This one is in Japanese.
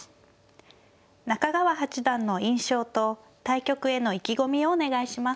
中川八段の印象と対局への意気込みをお願いします。